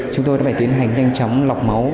chúng tôi đã phải tiến hành nhanh chóng lọc máu